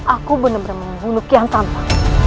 aku benar benar membunuh kian tanpa